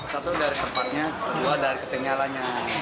satu dari tempatnya kedua dari ketinggalannya